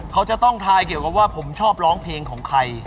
เขาจะต้องทายเกี่ยวกับว่าผมชอบร้องเพลงของใคร